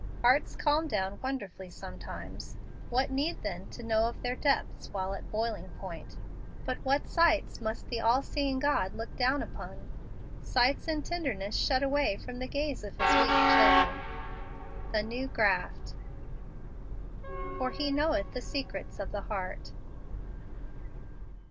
Hearts calm down wonderfully sometimes ; what need then to know of their depths while at boiling point ? But what sights must the all seeing God look down upon ! Sights in tenderness shut away from the gaze of His weak children. A New Graft. " For He knowcth the secrets of the heart